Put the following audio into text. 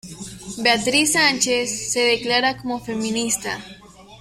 Beatriz Sánchez se declara como feminista.